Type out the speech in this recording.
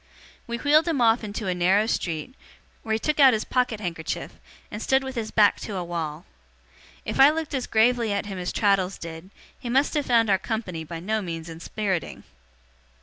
We wheeled him off into a narrow street, where he took out his pocket handkerchief, and stood with his back to a wall. If I looked as gravely at him as Traddles did, he must have found our company by no means inspiriting.